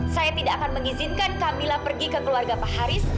saya tidak akan mengizinkan camilla pergi ke keluarga pak haris